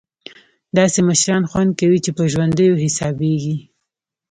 داسې مشران خوند کوي چې په ژوندیو حسابېږي.